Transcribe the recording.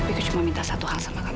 tapi aku cuma minta satu hal sama kamu